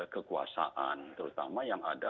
kekuasaan terutama yang ada